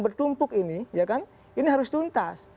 bertumpuk ini ini harus tuntas